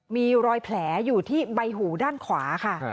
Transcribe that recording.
มีรอยแผลอยู่ที่ใบหูด้านขวาค่ะ